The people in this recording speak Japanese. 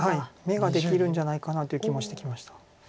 眼ができるんじゃないかなという気もしてきました。